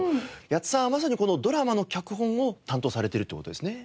八津さんはまさにこのドラマの脚本を担当されてるっていう事ですね。